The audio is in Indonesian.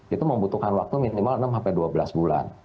itu membutuhkan waktu minimal enam dua belas bulan